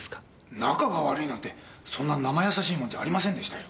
仲が悪いなんてそんな生易しいもんじゃありませんでしたよ。